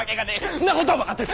んなこたぁ分かってる。